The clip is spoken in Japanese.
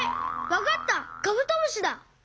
わかったカブトムシだ！